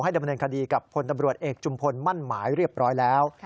ดำเนินคดีกับพลตำรวจเอกจุมพลมั่นหมายเรียบร้อยแล้ว